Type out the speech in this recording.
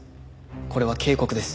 これは警告です。